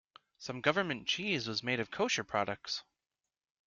Some government cheese was made of kosher products.